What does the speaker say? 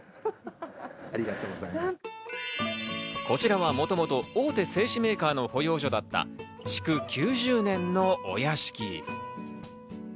こちらはもともと大手製紙メーカーの保養所だった築９０年のお屋敷。